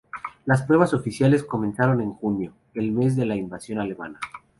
Las pruebas oficiales comenzaron en junio, el mes de la invasión alemana.